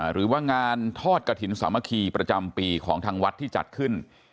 หรือว่างานทอดกระถิ่นสามัคคีประจำปีของทางวัดที่จัดขึ้น